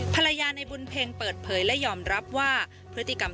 ผลัยาในบุญเพลงเปิดเผยและยอมรับว่า